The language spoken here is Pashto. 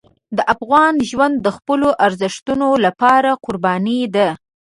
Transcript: د افغان ژوند د خپلو ارزښتونو لپاره قرباني ده.